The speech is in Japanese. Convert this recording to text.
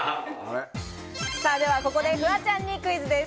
ではここでフワちゃんにクイズです。